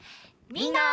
みんな！